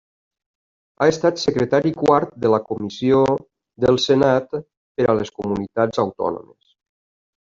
Ha estat secretari quart de la Comissió del Senat per a les Comunitats Autònomes.